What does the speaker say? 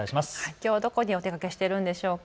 きょうはどこにお出かけしているんでしょうか。